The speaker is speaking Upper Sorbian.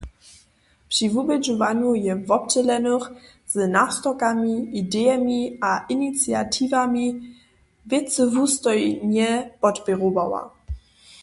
Při wubědźowanju je wobdźělenych z nastorkami, idejemi a iniciatiwami wěcywustojnje podpěrowała.